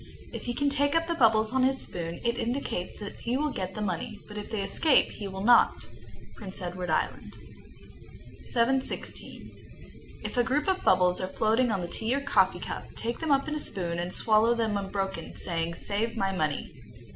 If he can take up the bubbles on his spoon, it indicates that he will get the money, but if they escape he will not. Prince Edward Island. 716. If a group of bubbles are floating on the tea or coffee cup, take them up in a spoon, and swallow them unbroken, saying, "Save my money."